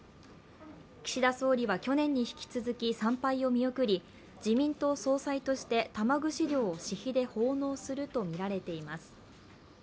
岸田総理は去年に引き続き参拝を見送り、自民党総裁として玉串料を私費で奉納するとみられています。